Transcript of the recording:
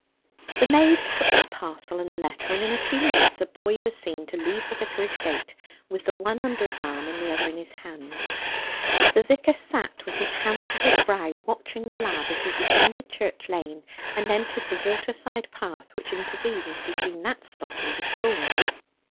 The maid took the parcel and the letter, and in a few minutes a boy was seen to leave the vicarage gate, with the one under his arm, and the other in his hand. The vicar sat with his hand to his brow, watching the lad as he descended Church Lane and entered the waterside path which intervened between that spot and the school.